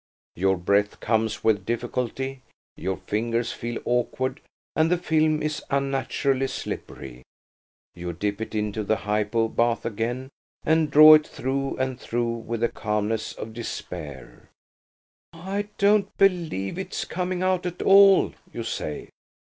Your breath comes with difficulty, your fingers feel awkward, and the film is unnaturally slippery. You dip it into the hypo bath again, and draw it through and through with the calmness of despair. "I don't believe it's coming out at all," you say.